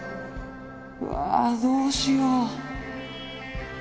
うわどうしよう。